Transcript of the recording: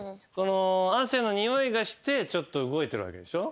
汗のにおいがしてちょっと動いてるわけでしょ？